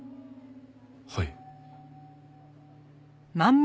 はい。